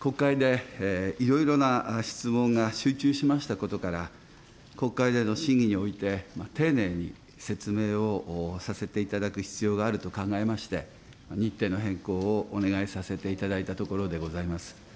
国会でいろいろな質問が集中しましたことから、国会での審議において丁寧に説明をさせていただく必要があると考えまして、日程の変更をお願いさせていただいたところでございます。